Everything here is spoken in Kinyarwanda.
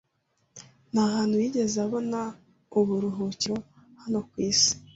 nta hantu yigeze abona uburuhukiro hano ku isi